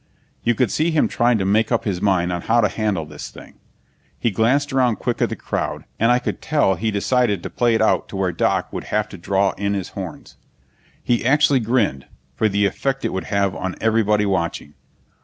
You could see him trying to make up his mind on how to handle this thing. He glanced around quick at the crowd, and I could tell he decided to play it out to where Doc would have to draw in his horns. He actually grinned, for the effect it would have on everybody watching.